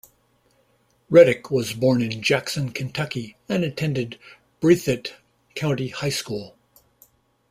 Reddick was born in Jackson, Kentucky and attended Breathitt County High School.